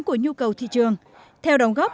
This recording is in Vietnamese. của nhu cầu thị trường theo đóng góp